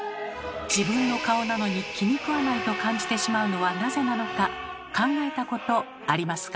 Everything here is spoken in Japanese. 自分の顔なのに気にくわないと感じてしまうのはなぜなのか考えたことありますか？